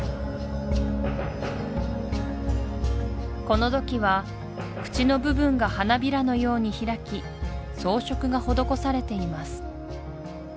この土器は口の部分が花びらのように開き装飾が施されています